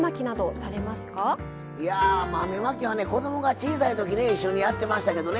いや豆まきはね子供が小さい時ね一緒にやってましたけどね。